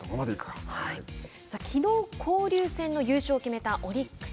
きのう交流戦の優勝を決めたオリックス。